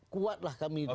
kuatlah kami itu